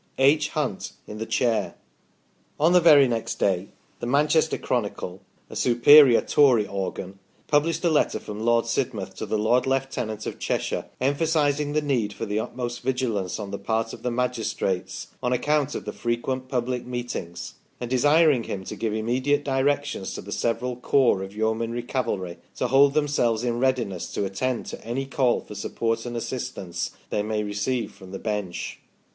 H. Hunt in the chair." On the very next day the " Manchester Chronicle," a superior Tory organ, published a letter from Lord Sidmouth to the Lord Lieutenant of Cheshire emphasising the need for the utmost vigilance on the part of the magistrates on account of the frequent public meet ings, and desiring him to give immediate directions to the several Corps of Yeomanry Cavalry to hold themselves in readiness to attend to any call for support and assistance they may receive from the bench.